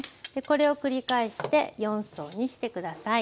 これを繰り返して４層にして下さい。